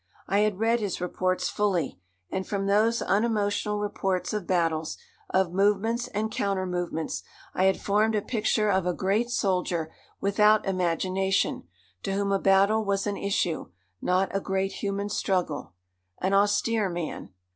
I had read his reports fully, and from those unemotional reports of battles, of movements and countermovements, I had formed a picture of a great soldier without imagination, to whom a battle was an issue, not a great human struggle an austere man.